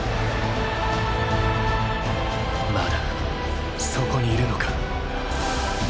まだそこにいるのか？